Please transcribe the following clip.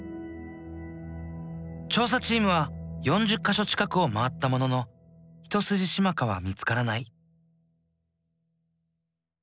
調査チームは４０か所近くを回ったもののヒトスジシマカは見つからない。